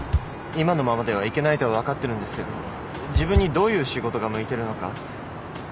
今のままではいけないとは分かってるんですけど自分にどういう仕事が向いてるのか。